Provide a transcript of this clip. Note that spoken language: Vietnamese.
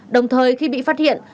đồng thời khi bị phát hiện